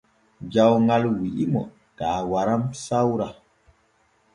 Jawŋal wi’imo taa waran sawra.